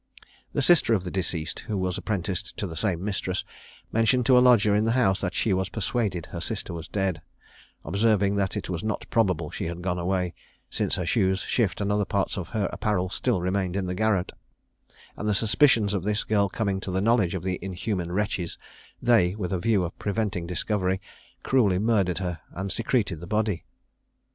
The sister of the deceased, who was apprenticed to the same mistress, mentioned to a lodger in the house that she was persuaded her sister was dead; observing, that it was not probable she had gone away, since her shoes, shift, and other parts of her apparel still remained in the garret; and the suspicions of this girl coming to the knowledge of the inhuman wretches, they, with a view of preventing a discovery, cruelly murdered her, and secreted the body.